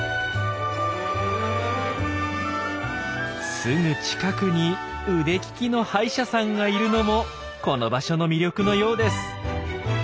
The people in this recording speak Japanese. すぐ近くに腕利きの歯医者さんがいるのもこの場所の魅力のようです。